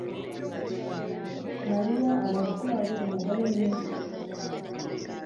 Mariya aracyari umugore mwiza